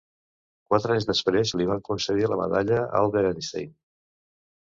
Quatre anys després, li van concedir la medalla Albert Einstein.